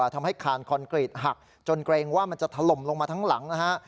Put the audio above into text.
ทำให้คานคอนกรีตหักจนเกรงว่ามันจะถล่มลงมาทั้งหลังนะฮะ